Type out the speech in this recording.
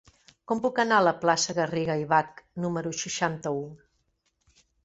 Com puc anar a la plaça de Garriga i Bachs número seixanta-u?